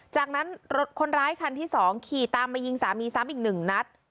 จากนั้นรถคนร้ายคันที่๒ขี่ตามมายิงสามีซ้ำอีก๑นัด